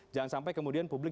jangan sampai kemudian publik